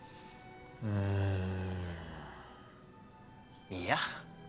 うんいいや。